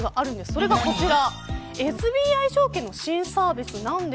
それがこちら。